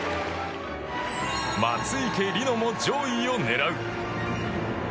松生理乃も上位を狙う。